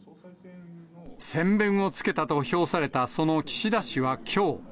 先べんをつけたと評された、その岸田氏はきょう。